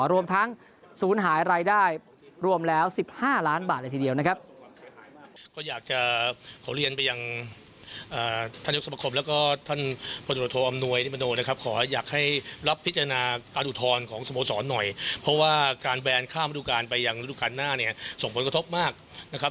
รวมทั้งศูนย์หายรายได้รวมแล้ว๑๕ล้านบาทเลยทีเดียวนะครับ